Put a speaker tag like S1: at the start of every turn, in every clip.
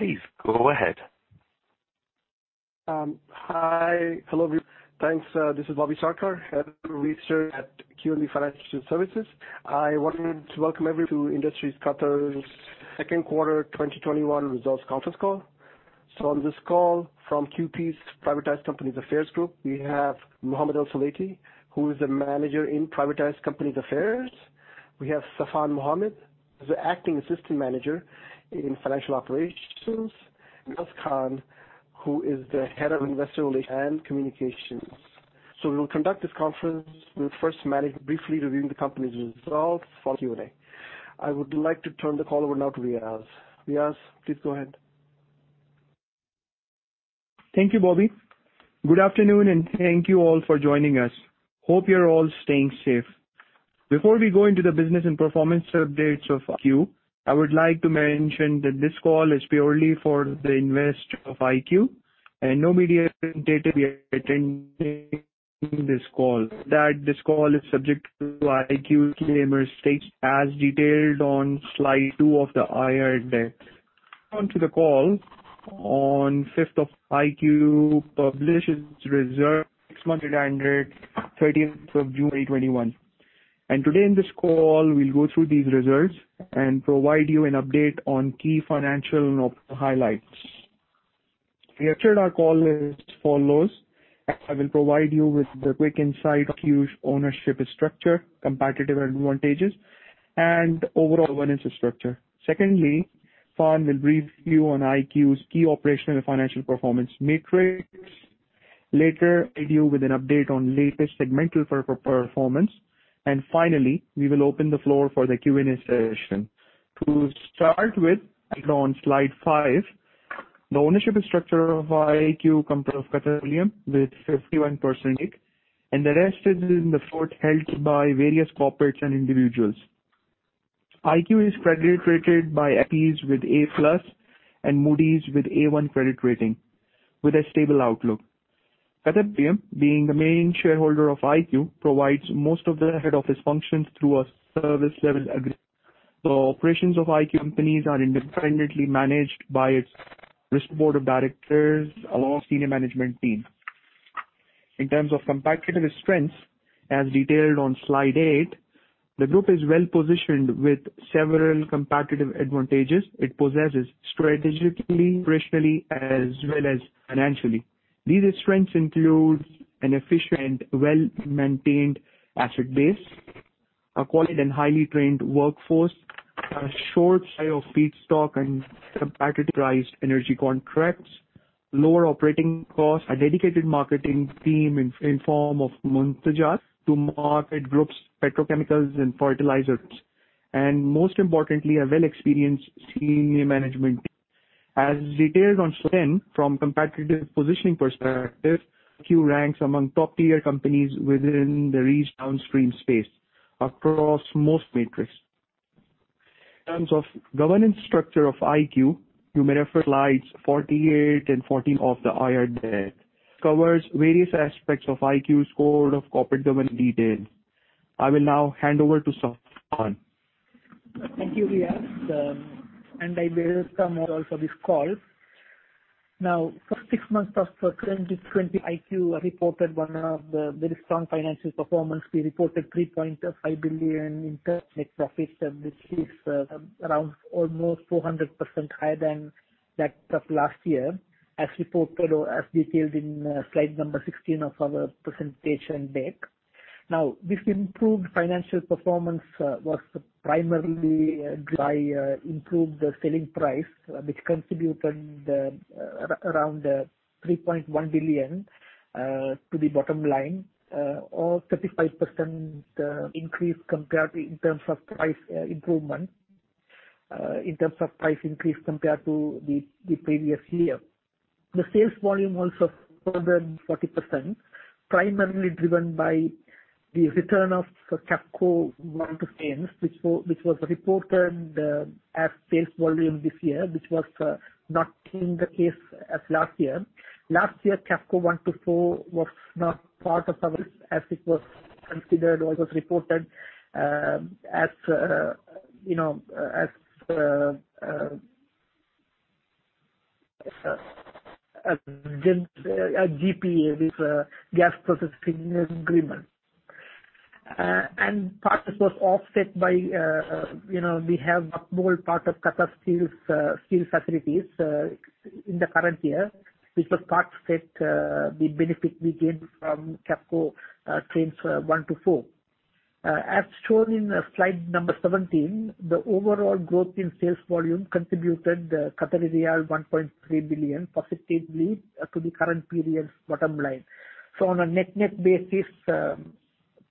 S1: Please go ahead.
S2: Hi. Hello. Thanks. This is Bobby Sarkar, Head of Research at QNB Financial Services. I want to welcome everyone to Industries Qatar's second quarter 2021 results conference call. On this call from QP's Privatized Companies Affairs Group, we have Mohammed Al-Salehti, who is the Manager in Privatized Companies Affairs. We have Saffan Mohammed, the Acting Assistant Manager in Financial Operations, and Riaz Khan, who is the Head of Investor Relations and Communications. We will conduct this conference with first Manny briefly reviewing the company's results for Q&A. I would like to turn the call over now to Riaz. Riaz, please go ahead.
S3: Thank you, Bobby. Good afternoon, and thank you all for joining us. Hope you're all staying safe. Before we go into the business and performance updates of IQ, I would like to mention that this call is purely for the investors of IQ and no media entity will be attending this call. That this call is subject to IQ disclaimer stated as detailed on slide two of the IR deck. On to the call, on 5th of IQ publishes reserve six monthly ended 13th of June 2021. Today in this call, we'll go through these results and provide you an update on key financial and operational highlights. The structure our call is as follows. I will provide you with the quick insight of IQ's ownership structure, competitive advantages, and overall governance structure. Secondly, Saffan will brief you on IQ's key operational and financial performance metrics. Later, I give you with an update on latest segmental performance. Finally, we will open the floor for the Q&A session. To start with, as on slide five, the ownership structure of IQ comprise of Qatar Petroleum with 51% and the rest is in the float held by various corporates and individuals. IQ is credit rated by S&P's with A+ and Moody's with A1 credit rating with a stable outlook. Qatar Petroleum, being the main shareholder of IQ, provides most of the head office functions through a service level agreement. Operations of IQ companies are independently managed by its risk board of directors along senior management team. In terms of competitive strengths, as detailed on slide eight, the group is well-positioned with several competitive advantages it possesses strategically, operationally, as well as financially. These strengths include an efficient well-maintained asset base, a quality and highly trained workforce, a short supply of feedstock and competitive priced energy contracts, lower operating costs, a dedicated marketing team in form of Muntajat to market group's petrochemicals and fertilizers, and most importantly, a well experienced senior management team. As detailed on 10 from competitive positioning perspective, IQ ranks among top tier companies within the region downstream space across most metrics. In terms of governance structure of IQ, you may refer slides 48 and 49 of the IR deck. Covers various aspects of IQ's code of corporate government in detail. I will now hand over to Saffan.
S4: Thank you, Riaz. I welcome all for this call. For six months of 2020, IQ reported one of the very strong financial performance. We reported 3.5 billion in terms net profits, which is around almost 400% higher than that of last year, as reported or as detailed in slide number 16 of our presentation deck. This improved financial performance was primarily driven by improved selling price, which contributed around 3.1 billion to the bottom line or 35% increase compared in terms of price increase compared to the previous year. The sales volume also grew more than 40%, primarily driven by the return of QAFCO one to trains, which was reported as sales volume this year, which was not in the case as last year. Last year, QAFCO 1 to 4 was not part of our as it was considered or was reported as GPA, gas processing agreement. Part of this was offset by. We have a small part of Qatar Steel's steel facilities in the current year, which was part fit the benefit we gained from QAFCO trains 1 to 4. As shown in slide number 17, the overall growth in sales volume contributed 1.3 billion positively to the current period's bottom line. On a net-net basis,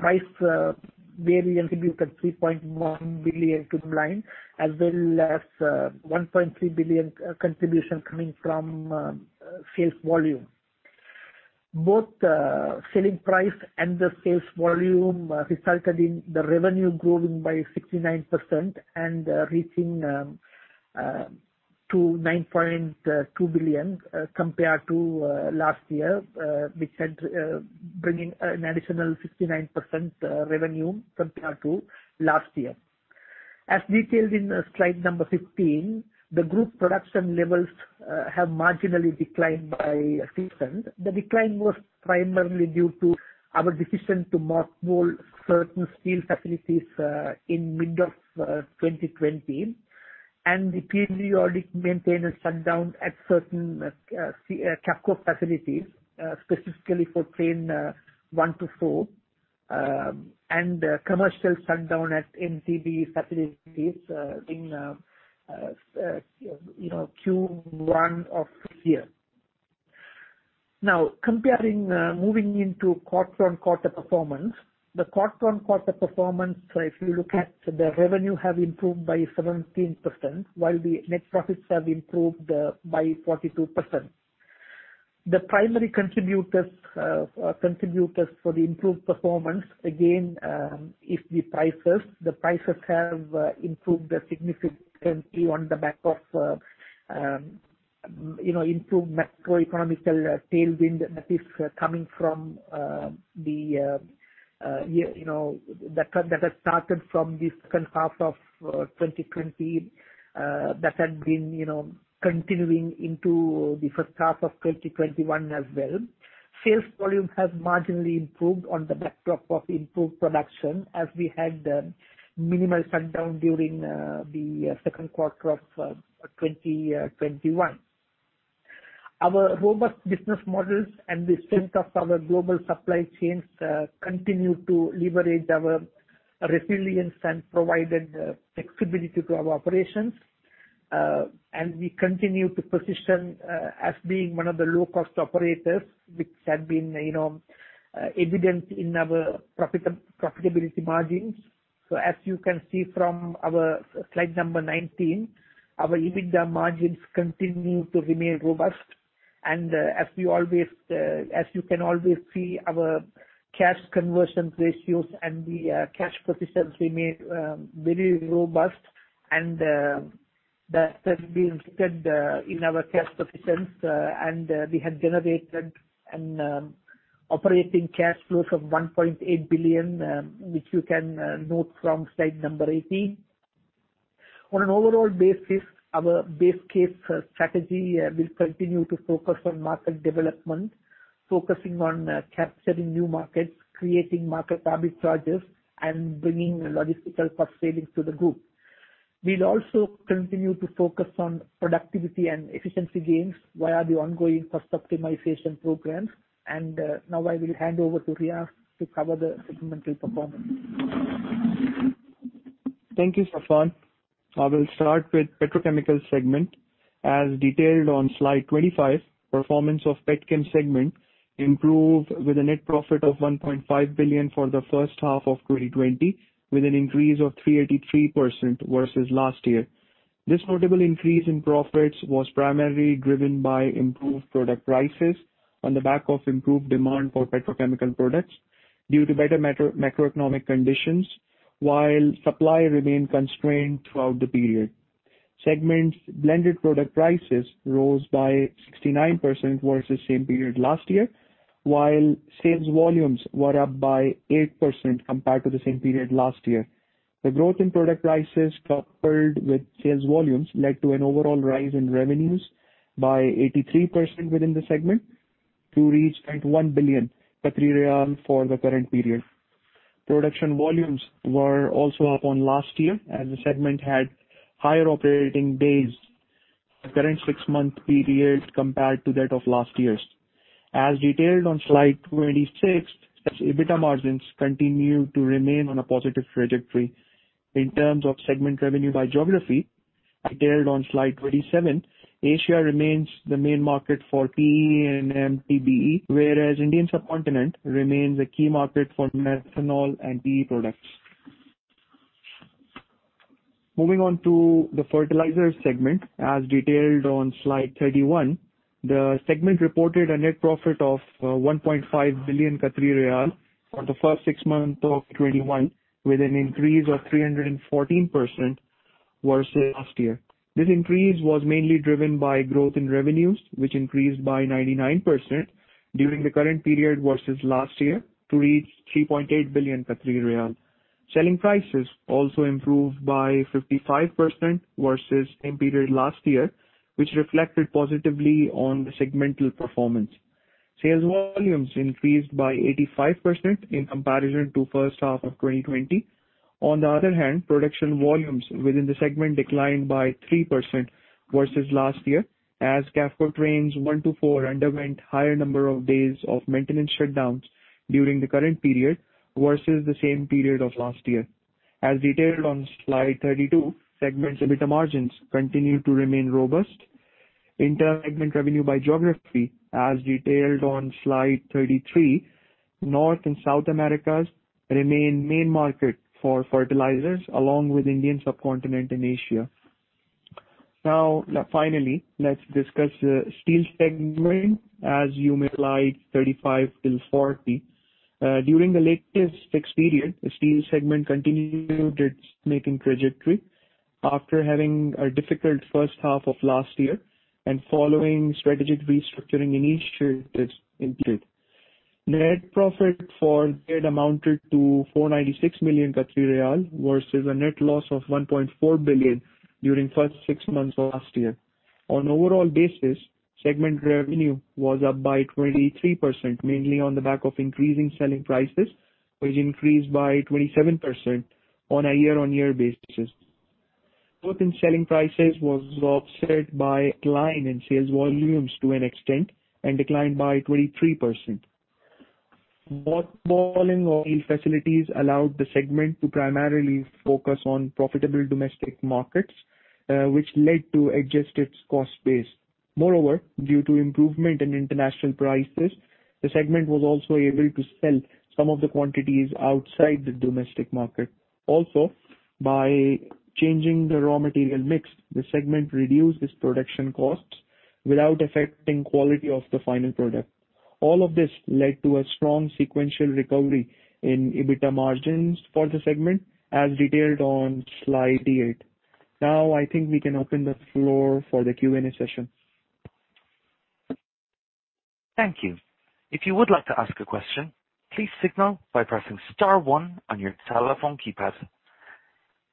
S4: price variance contributed 3.1 billion to the line, as well as 1.3 billion contribution coming from sales volume. Both selling price and the sales volume resulted in the revenue growing by 69% and reaching to 9.2 billion compared to last year, which had bringing an additional 69% revenue compared to last year. As detailed in slide number 15, the group production levels have marginally declined by 6%. The decline was primarily due to our decision to mothball certain steel facilities in mid of 2020 and the periodic maintenance shutdown at certain QAPCO facilities, specifically for train 1 to 4, and commercial shutdown at MTBE facilities in Q1 of this year. Moving into quarter-on-quarter performance. The quarter-on-quarter performance, if you look at the revenue have improved by 17%, while the net profits have improved by 42%. The primary contributors for the improved performance, again, is the prices. The prices have improved significantly on the back of improved macroeconomic tailwind that is coming from that had started from the second half of 2020. That had been continuing into the first half of 2021 as well. Sales volume has marginally improved on the backdrop of improved production, as we had minimal shutdown during the second quarter of 2021. Our robust business models and the strength of our global supply chains continue to leverage our resilience and provided flexibility to our operations. We continue to position as being one of the low-cost operators, which had been evident in our profitability margins. As you can see from our slide number 19, our EBITDA margins continue to remain robust. As you can always see, our cash conversion ratios and the cash positions remain very robust and that has been stated in our cash positions. We had generated an operating cash flow of 1.8 billion, which you can note from slide number 18. On an overall basis, our base case strategy will continue to focus on market development, focusing on capturing new markets, creating market charges and bringing logistical facilities to the group. We'll also continue to focus on productivity and efficiency gains via the ongoing cost optimization programs. Now I will hand over to Riaz to cover the segmental performance.
S3: Thank you, Safwan. I will start with petrochemical segment. As detailed on slide 25, performance of petchem segment improved with a net profit of 1.5 billion for the first half of 2020, with an increase of 383% versus last year. This notable increase in profits was primarily driven by improved product prices on the back of improved demand for petrochemical products due to better macroeconomic conditions, while supply remained constrained throughout the period. Segment's blended product prices rose by 69% versus same period last year, while sales volumes were up by 8% compared to the same period last year. The growth in product prices, coupled with sales volumes, led to an overall rise in revenues by 83% within the segment to reach 31 billion riyal for the current period. Production volumes were also up on last year, as the segment had higher operating days the current six-month period compared to that of last year's. As detailed on slide 26, its EBITDA margins continue to remain on a positive trajectory. In terms of segment revenue by geography, detailed on slide 27, Asia remains the main market for PE and Polypropylene, whereas Indian subcontinent remains a key market for methanol and PE products. Moving on to the fertilizers segment, as detailed on slide 31. The segment reported a net profit of 1.5 billion for the first six months of 2021, with an increase of 314% versus last year. This increase was mainly driven by growth in revenues, which increased by 99% during the current period versus last year to reach 3.8 billion Qatari riyal. Selling prices also improved by 55% versus same period last year, which reflected positively on the segmental performance. Sales volumes increased by 85% in comparison to first half of 2020. On the other hand, production volumes within the segment declined by 3% versus last year as QAPCO trains one to four underwent higher number of days of maintenance shutdowns during the current period versus the same period of last year. As detailed on slide 32, segment's EBITDA margins continue to remain robust. In segment revenue by geography, as detailed on slide 33, North and South Americas remain main market for fertilizers, along with Indian subcontinent and Asia. Now, finally, let's discuss the steel segment as you move to slide 35-40. During the latest fixed period, the steel segment continued its making trajectory after having a difficult first half of last year and following strategic restructuring initiatives in period. Net profit for the period amounted to 496 million Qatari riyal versus a net loss of 1.4 billion during first six months of last year. On overall basis, segment revenue was up by 23%, mainly on the back of increasing selling prices, which increased by 27% on a year-on-year basis. Growth in selling prices was offset by a decline in sales volumes to an extent and declined by 23%. Idling of oil facilities allowed the segment to primarily focus on profitable domestic markets, which led to adjusted cost base. Moreover, due to improvement in international prices, the segment was also able to sell some of the quantities outside the domestic market. Also, by changing the raw material mix, the segment reduced its production costs without affecting quality of the final product. All of this led to a strong sequential recovery in EBITDA margins for the segment as detailed on slide eight. Now I think we can open the floor for the Q&A session.
S1: Thank you. If you would like to ask a question, please signal by pressing star one on your telephone keypad.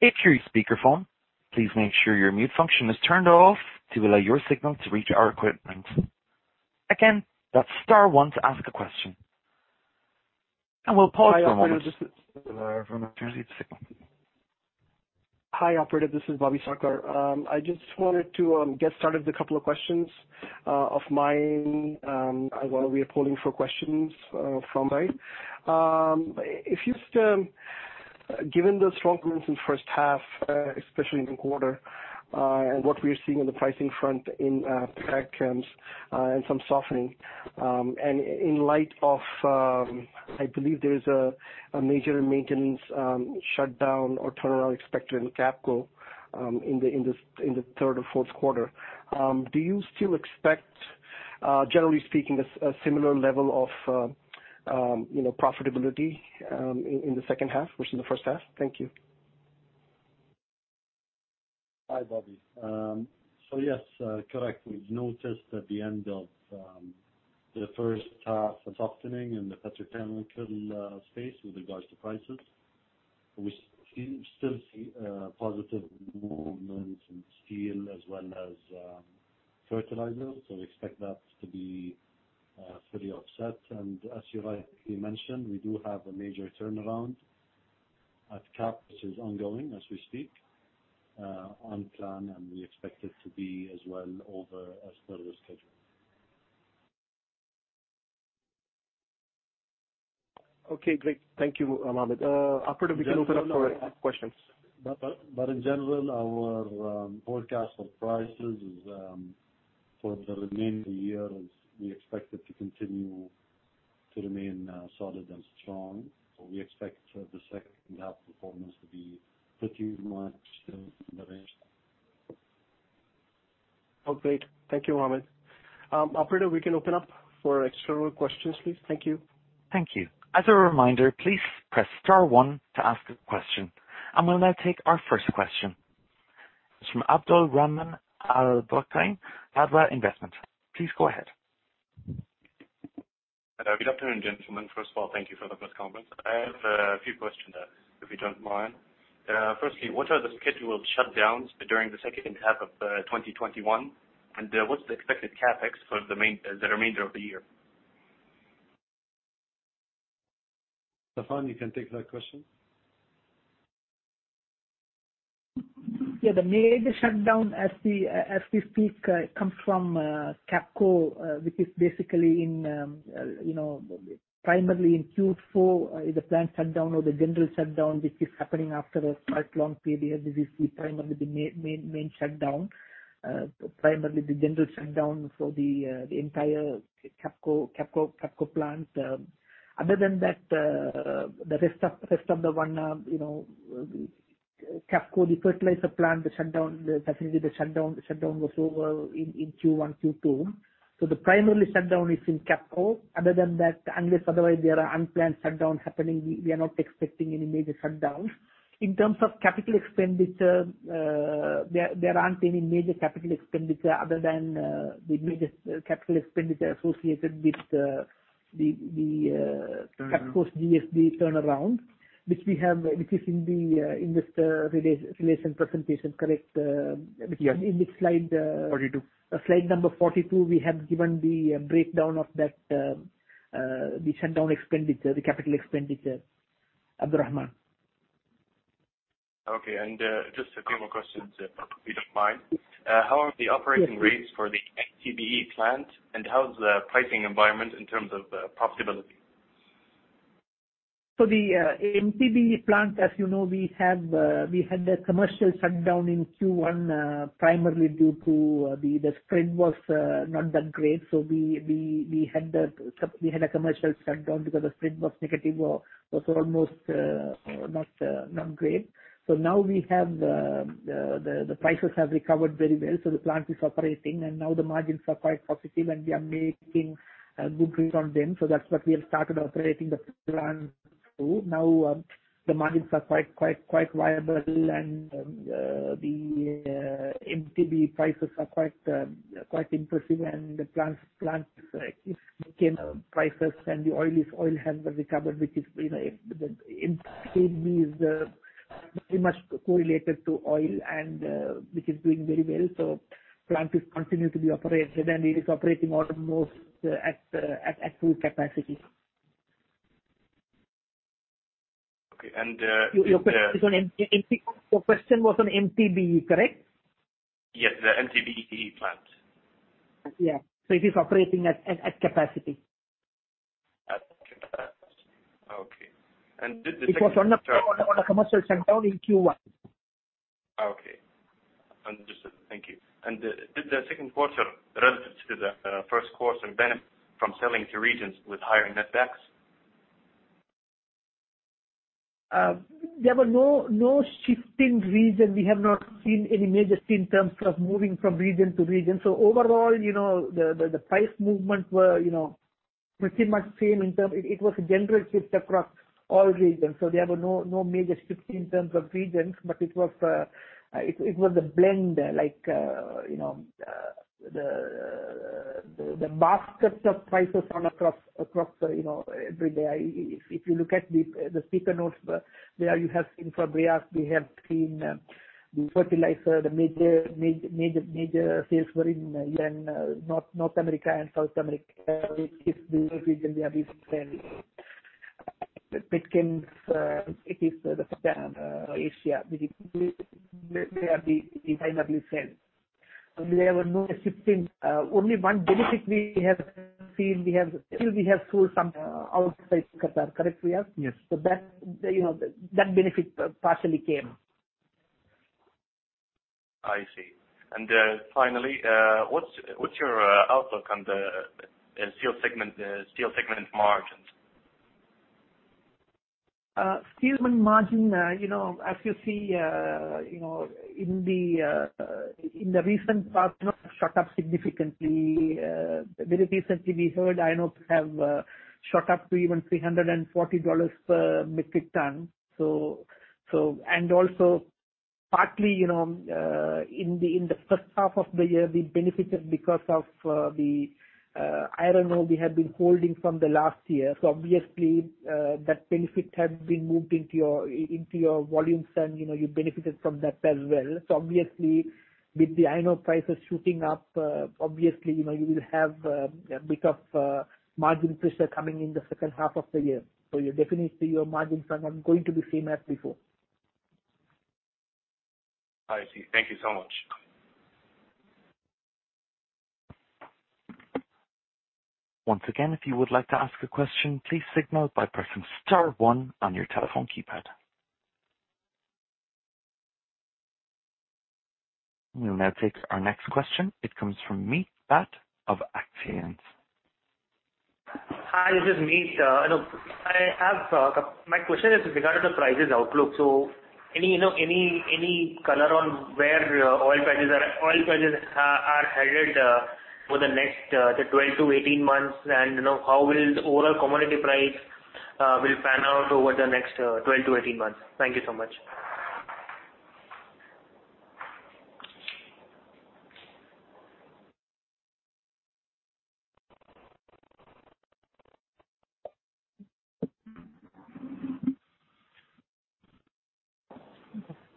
S1: If you're on speakerphone, please make sure your mute function is turned off to allow your signal to reach our equipment. Again, that's star one to ask a question. We'll pause for a moment.
S2: Hi, operator. This is Bobby Sarkar. I just wanted to get started with a couple of questions of mine, while we are polling for questions from you guys. Given the strong performance in the first half, especially in the quarter, and what we are seeing on the pricing front in petchems, and some softening. In light of, I believe there's a major maintenance shutdown or turnaround expected in QAPCO, in the third or fourth quarter. Do you still expect, generally speaking, a similar level of profitability in the second half versus the first half? Thank you.
S5: Hi, Bobby. Yes, correct. We've noticed at the end of the first half a softening in the petrochemical space with regards to prices. We still see positive movements in steel as well as fertilizers. We expect that to be fully offset. As you rightly mentioned, we do have a major turnaround at CAP, which is ongoing as we speak, on plan, and we expect it to be as well over as per the schedule.
S2: Okay, great. Thank you, Mohammed. Operator, we can open up for questions.
S5: In general, our forecast for prices for the remainder of the year is we expect it to continue to remain solid and strong. We expect the second half performance to be pretty much in the range.
S2: Oh, great. Thank you, Mohammed. Operator, we can open up for external questions, please. Thank you.
S1: Thank you. As a reminder, please press star one to ask a question. We'll now take our first question. It's from Abdul Al-Ruwaita, Jadwa Investment. Please go ahead.
S6: Good afternoon, gentlemen. First of all, thank you for the press conference. I have a few questions, if you don't mind. Firstly, what are the scheduled shutdowns during the second half of 2021, and what's the expected CapEx for the remainder of the year?
S5: Saffan, you can take that question.
S4: Yeah, the major shutdown as we speak comes from QAPCO, which is basically primarily in Q4, the plant shutdown or the general shutdown, which is happening after a quite long period. This is primarily the main shutdown. Primarily the general shutdown for the entire QAPCO plant. Other than that, the rest of the one, QAPCO, the fertilizer plant, the shutdown was over in Q1, Q2. The primary shutdown is in QAPCO. Other than that, unless otherwise there are unplanned shutdowns happening, we are not expecting any major shutdowns. In terms of capital expenditure, there aren't any major capital expenditure other than the major capital expenditure associated with the QAPCO's GSB turnaround, which is in the investor relation presentation, correct?
S2: Yes.
S4: In the slide-
S2: Forty-two.
S4: Slide number 42, we have given the breakdown of that, the shutdown expenditure, the capital expenditure. Abdul Rahman.
S6: Okay, just a couple more questions if you don't mind. How are the operating rates for the MTBE plant, and how's the pricing environment in terms of profitability?
S4: The MTBE plant, as you know, we had a commercial shutdown in Q1 primarily due to the spread was not that great. We had a commercial shutdown because the spread was negative or was almost not great. Now the prices have recovered very well, so the plant is operating, and now the margins are quite positive, and we are making good return on them. That's what we have started operating the plant. True. Now the margins are quite viable and the MTBE prices are quite impressive and the plants became prices and the oil has been recovered, which is the MTBE is very much correlated to oil and which is doing very well. Plant is continued to be operated, and it is operating at almost at full capacity.
S6: Okay.
S4: Your question was on MTBE, correct?
S6: Yes, the MTBE plant.
S4: Yeah. It is operating at capacity.
S6: At capacity. Okay.
S4: Because on a commercial sample in Q1.
S6: Okay. Understood. Thank you. Did the second quarter relatives to the first quarter benefit from selling to regions with higher net backs?
S4: There were no shifting region. We have not seen any major shift in terms of moving from region to region. Overall, the price movements were pretty much same. It was a general shift across all regions, so there were no major shifts in terms of regions. It was a blend like the basket of prices on across every day. If you look at the speaker notes there you have seen for BRIAS, we have seen the fertilizer, the major sales were in North America and South America. It is the region they have been selling. Petchems, it is the Asia. They are the primarily sell. There were no shifting, only one benefit we have seen, still we have sold some outside Qatar, correct, Riaz?
S3: Yes.
S4: That benefit partially came.
S6: I see. Finally, what's your outlook on the steel segment margins?
S4: Steel margin, as you see in the recent past, shot up significantly. Very recently we heard iron ore have shot up to even $340 per metric ton. Also partly, in the first half of the year, we benefited because of the iron ore we had been holding from the last year. Obviously, that benefit has been moved into your volumes and you benefited from that as well. Obviously with the iron ore prices shooting up, obviously, you will have a bit of margin pressure coming in the second half of the year. Definitely your margins are not going to be same as before.
S6: I see. Thank you so much.
S1: Once again, if you would like to ask a question, please signal by pressing star one on your telephone keypad. We'll now take our next question. It comes from Meet Bhatt of Axiom.
S7: Hi, this is Meet. My question is regarding the prices outlook. Any color on where oil prices are headed for the next 12 to 18 months and how will the overall commodity price will pan out over the next 12 to 18 months? Thank you so much.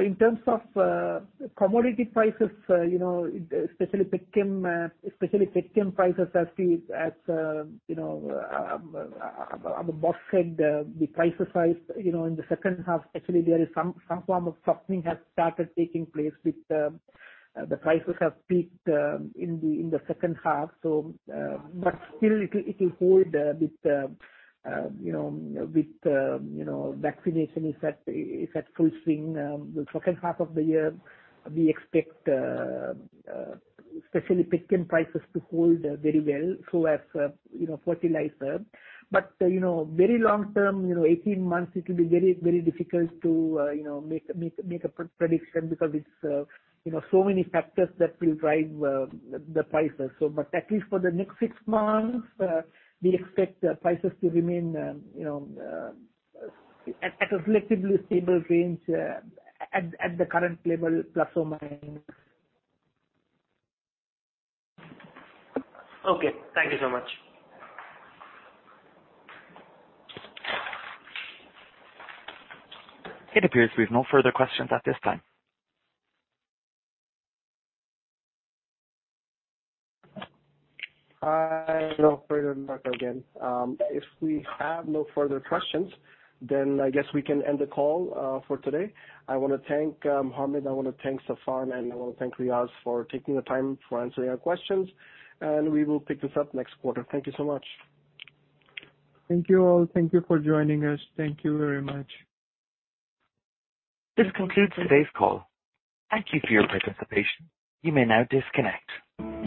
S4: In terms of commodity prices, especially petchem prices as the boss said, the prices rise in the second half. Actually, there is some form of softening has started taking place with the prices have peaked in the second half. Still it will hold a bit with vaccination is at full swing. The second half of the year, we expect especially petchem prices to hold very well so as fertilizer. Very long term, 18 months, it will be very difficult to make a prediction because it's so many factors that will drive the prices. At least for the next six months, we expect prices to remain at a relatively stable range at the current level plus or minus.
S7: Okay. Thank you so much.
S1: It appears we have no further questions at this time.
S2: Hi, everyone. Marco again. If we have no further questions, then I guess we can end the call for today. I want to thank Mohammed, I want to thank Saffan, and I want to thank Riaz for taking the time for answering our questions, and we will pick this up next quarter. Thank you so much.
S4: Thank you all. Thank you for joining us. Thank you very much.
S1: This concludes today's call. Thank you for your participation. You may now disconnect.